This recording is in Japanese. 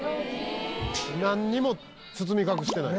なんにも包み隠してない。